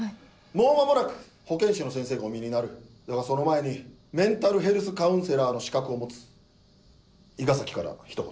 もう間もなく保健師の先生がおみえになるだがその前にメンタルヘルスカウンセラーの資格を持つ伊賀崎からひと言。